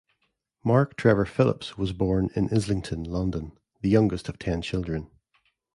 Mark Trevor Phillips was born in Islington, London, the youngest of ten children.